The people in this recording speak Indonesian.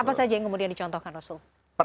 apa saja yang kemudian dicontohkan rasul